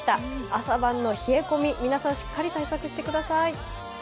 朝晩の冷え込み、皆さん、しっかり対策してください。